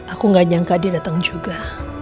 aku gak nyangka dia datang juga